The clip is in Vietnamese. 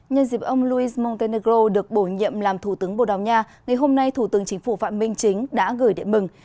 nhân dịp ông luis montenegro được bổ nhiệm làm thủ tướng bồ đào nha ngày hôm nay thủ tướng chính phủ phạm minh chính đã gửi điện mừng